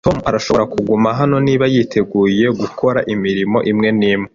Tom arashobora kuguma hano niba yiteguye gukora imirimo imwe n'imwe